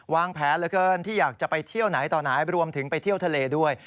วางแผนเหลือเกินที่อยากจะไปเที่ยวไหนต่อไหนรวมถึงไปเที่ยวทะเลด้วย